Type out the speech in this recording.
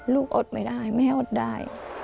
อดไม่ได้แม่อดได้